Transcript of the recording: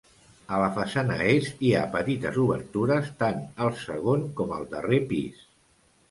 A la façana est, hi ha petites obertures, tant al segon com al darrer pis.